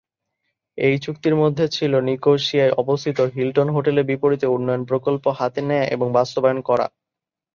এই চুক্তির মধ্যে ছিল নিকোসিয়ায় অবস্থিত হিল্টন হোটেলের বিপরীতে উন্নয়ন প্রকল্প হাতে নেয়া এবং বাস্তবায়ন করা।